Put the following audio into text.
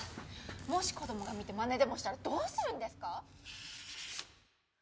もし子供が見てまねでもしたらどうするんですか？